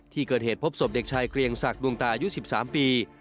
ที่เกิดเหตุพบศพเด็กชายเกรียงศักดวงตาอายุ๑๓ปี